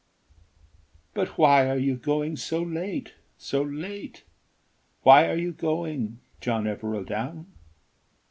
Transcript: "But why are you going so late, so late, Why are you going, John Evereldown?